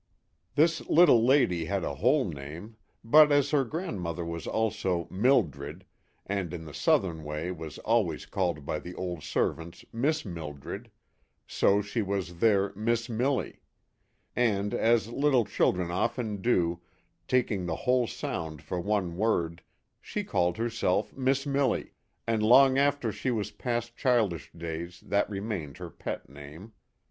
THIS little lady had a whole name, but as her grandmother was also " Mildred," and in the Southern way was always called by the old servants " Miss Mildred," so she was their " Missmilly "; and, as little children often do, taking the whole sound for one word, she called herself " Missmilly," and long after she was past childish days that remained her pet name.